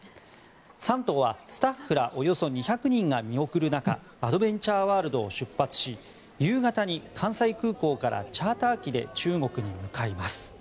３頭は、スタッフらおよそ２００人が見送る中アドベンチャーワールドを出発し夕方に関西空港からチャーター機で中国に向かいます。